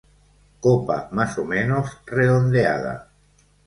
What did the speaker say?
Copa más o menos redondeada.